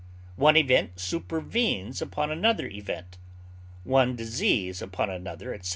One event supervenes upon another event, one disease upon another, etc.